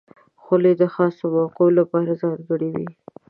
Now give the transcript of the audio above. خولۍ د خاصو موقعو لپاره ځانګړې وي.